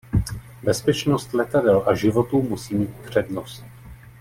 Bezpečnost letadel a životů musí mít přednost.